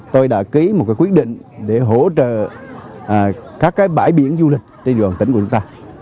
tôi đã ký một quyết định để hỗ trợ các bãi biển du lịch trên địa bàn tỉnh của chúng ta